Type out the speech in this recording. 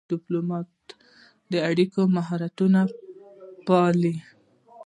ډيپلومات د اړیکو مهارتونه پالي.